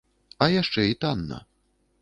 А яшчэ і танна.